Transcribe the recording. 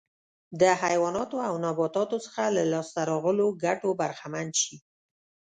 د حیواناتو او نباتاتو څخه له لاسته راغلو ګټو برخمن شي.